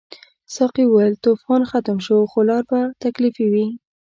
ساقي وویل طوفان ختم شو خو لار به تکلیفي وي.